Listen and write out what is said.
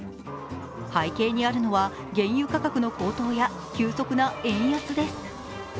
背景にあるのは原油価格の高騰や急速な円安です。